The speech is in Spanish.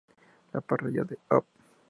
La parrilla de "Oh!